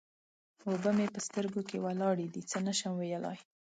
اوبه مې په سترګو کې ولاړې دې؛ څه نه شم ويلای.